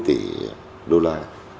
bốn mươi tỷ đô la